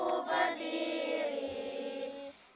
bangsa dan tanah